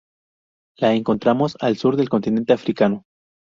La encontramos al sur del continente africano.